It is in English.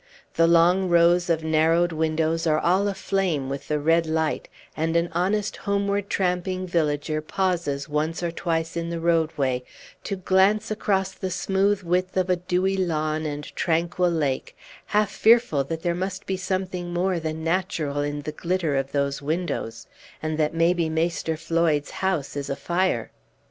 The long rows of narrow windows are all aflame with the red light, and an honest homeward tramping villager pauses once or twice in the roadway to glance across the smooth width of dewy lawn and tranquil lake, half fearful that there must be something more than natural in the glitter of those windows, and that may be Maister Floyd's house is afire.